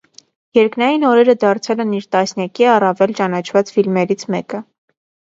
Երկնային օրերը դարձել են իր տասնյակի առավել ճանաչված ֆիլմերից մեկը։